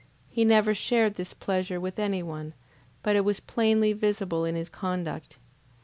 He never shared this pleasure with any one, but it was plainly visible in his conduct.